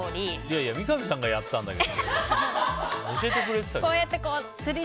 いやいや三上さんがやったんだよ。